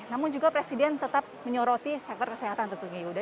namun juga presiden tetap menyoroti sektor kesehatan tentunya yuda